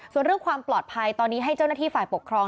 ส่วนเรื่องความปลอดภัยตอนนี้ให้เจ้าหน้าที่ฝ่ายปกครอง